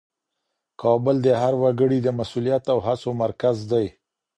کابل د هر وګړي د مسولیت او هڅو مرکز دی.